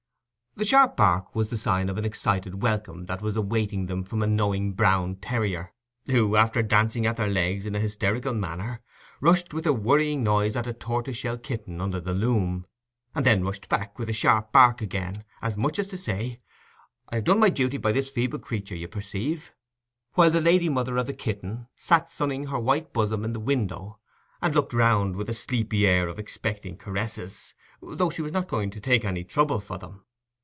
The sharp bark was the sign of an excited welcome that was awaiting them from a knowing brown terrier, who, after dancing at their legs in a hysterical manner, rushed with a worrying noise at a tortoise shell kitten under the loom, and then rushed back with a sharp bark again, as much as to say, "I have done my duty by this feeble creature, you perceive"; while the lady mother of the kitten sat sunning her white bosom in the window, and looked round with a sleepy air of expecting caresses, though she was not going to take any trouble for them.